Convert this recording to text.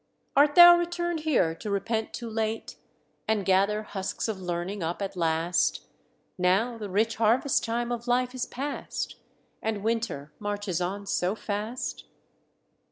Art thou return'd here to repent too late, And gather husks of learning up at last, Now the rich harvest time of life is past, And winter marches on so fast?"